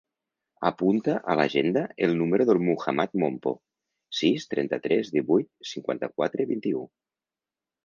Apunta a l'agenda el número del Muhammad Mompo: sis, trenta-tres, divuit, cinquanta-quatre, vint-i-u.